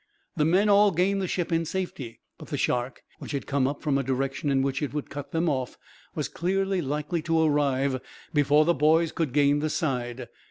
The men all gained the ship in safety, but the shark, which had come up from a direction in which it would cut them off, was clearly likely to arrive before the boys could gain the side.